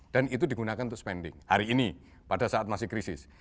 dan itu digunakan untuk spending hari ini pada saat masih krisis